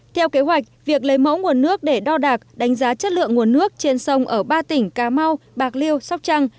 theo kế hoạch việc lấy mẫu nguồn nước để đo đạc đánh giá chất lượng nguồn nước trên sông ở ba tỉnh cà mau bạc liêu sóc trăng